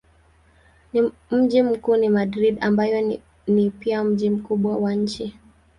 Mji mkuu ni Madrid ambayo ni pia mji mkubwa wa nchi.